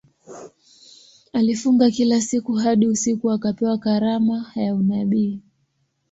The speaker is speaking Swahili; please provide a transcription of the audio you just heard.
Alifunga kila siku hadi usiku akapewa karama ya unabii.